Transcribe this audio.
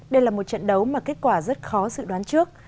đây là một trận đấu mà kết quả rất khó dự đoán trước